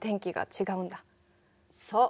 そう。